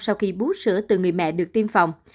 sau khi bút sữa từ người mẹ được tiêm phòng